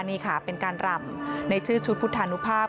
นี่ค่ะเป็นการรำในชื่อชุดพุทธานุภาพ